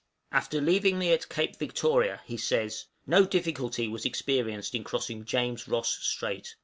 After leaving me at Cape Victoria, he says "No difficulty was experienced in crossing James Ross Strait.